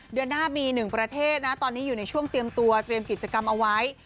เดือนหน้ามีหนึ่งประเทศนะตอนนี้อยู่ในช่วงเตรียมตัวเตรียมกิจกรรมเอาไว้